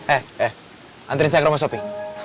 eh eh anterin saya ke rumah shopee